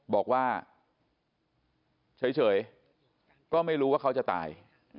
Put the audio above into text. บอกว่าเฉยก็ไม่รู้ว่าเขาจะตาย